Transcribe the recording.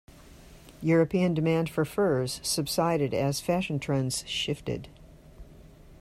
European demand for furs subsided as fashion trends shifted.